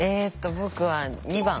僕は２番。